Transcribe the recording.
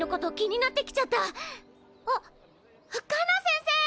あっカナ先生！